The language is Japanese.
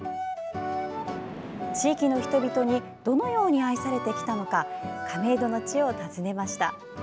地域の人々にどのように愛されてきたのか亀戸の地を訪ねました。